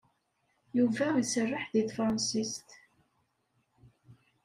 Yuba iserreḥ deg tefṛensist.